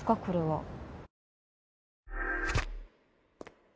これは。